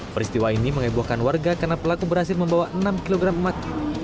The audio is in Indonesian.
peristiwa ini mengebohkan warga karena pelaku berhasil membawa enam kg emas